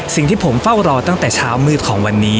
สิ่งที่ผมเฝ้ารอตั้งแต่เช้ามืดของวันนี้